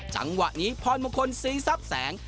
จังหวะนี้พรมงคลสีซับแสง